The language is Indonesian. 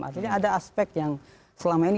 artinya ada aspek yang selama ini